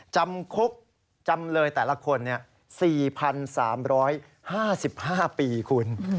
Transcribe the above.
จำคุกจำเลยแต่ละคน๔๓๕๕ปีคุณ